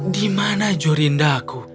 di mana jorindaku